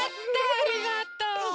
ありがとう。